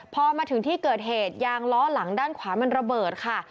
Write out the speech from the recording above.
พอมาถึงที่เกิดเหตุยางล้อหลังด้านขวามันระเบิดค่ะ